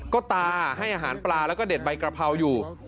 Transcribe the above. ก็ตาให้อาหารปลาแล้วก็เด็ดใบกระเพราอยู่